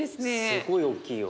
すごい大きいよ。